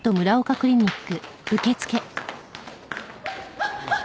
あっあっ！